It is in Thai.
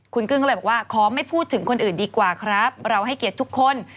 คุณกึ้งก็เลยบอกว่าขอไม่พูดถึงคนอื่นดีกว่าครับเราให้เกียรติทุกคน